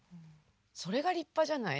それが立派じゃない？